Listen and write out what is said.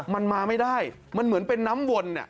มันมาไม่ได้มันเหมือนเป็นน้ำวน